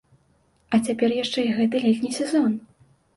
А цяпер яшчэ і гэты летні сезон!